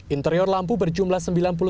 interior lampu berjumlah sembilan puluh sembilan